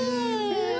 うわ！